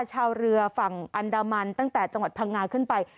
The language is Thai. ชาวเรือฝั่งอันดามันตั้งแต่จังหวัดพังงาขึ้นไป